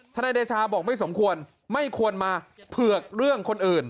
นายเดชาบอกไม่สมควรไม่ควรมาเผือกเรื่องคนอื่น